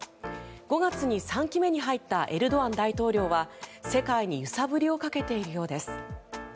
５月に３期目に入ったエルドアン大統領は世界に揺さぶりをかけているようです。